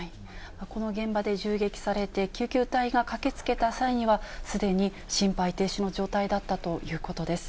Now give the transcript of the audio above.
この現場で銃撃されて、救急隊が駆けつけた際には、すでに心肺停止の状態だったということです。